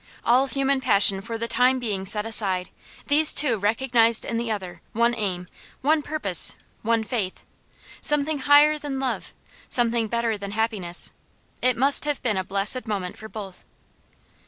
All human passion for the time being set aside, these two recognized each in the other one aim, one purpose, one faith; something higher than love, something better than happiness. It must have been a blessed moment for both.